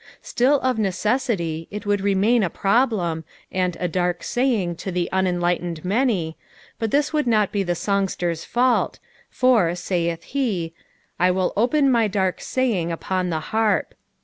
Btill of necessity it would remain a problem, and a dark saying to the unenlightened many, but this would not be the songster's fault, for, saith he, "/ ieill open, my dari tayijig upon the harp.'''